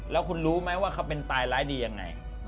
แล้วคุณรู้ไหมว่าเขาเป็นตายร้ายดียังไง